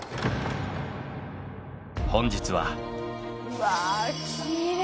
本日は。